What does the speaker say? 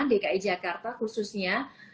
dki jakarta khususnya